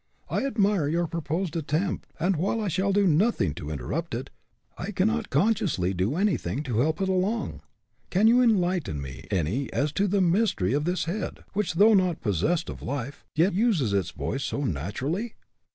"I admire your proposed attempt, and while I shall do nothing to interrupt it, I can not conscientiously do anything to help it along. Can you enlighten me any as to the mystery of this head, which, though not possessed of life, yet uses its voice so naturally?"